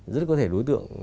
rất có thể đối tượng